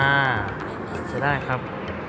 อ่าจะได้ครับ